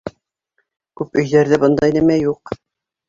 Күп өйҙәрҙә бындай нәмә юҡ!